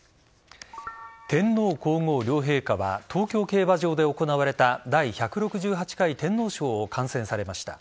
天皇皇后両陛下は東京競馬場で行われた第１６８回天皇賞を観戦されました。